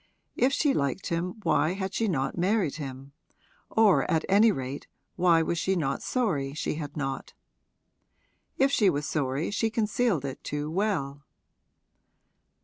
If she liked him why had she not married him or at any rate why was she not sorry she had not? If she was sorry she concealed it too well.